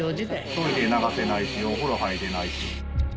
トイレ流せないしお風呂入れないし。